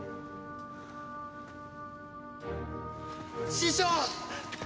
師匠！